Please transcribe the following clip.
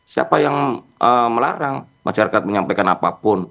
siapa yang melarang masyarakat menyampaikan apapun